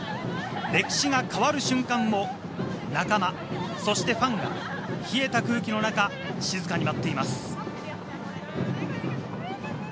歴史が変わる瞬間を仲間、そしてファンが冷えた空気の中、静かに待っています。